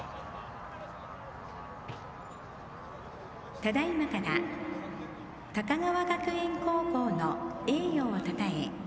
ただいまから高川学園高校の栄誉をたたえ